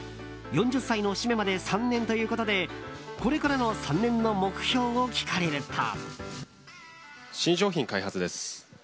４０歳の節目まで３年ということでこれからの３年の目標を聞かれると。